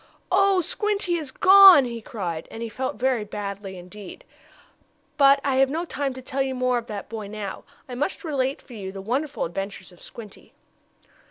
"Oh, Squinty is gone!" he cried, and he felt very badly indeed. But I have no time to tell you more of that boy now. I must relate for you the wonderful adventures of Squinty.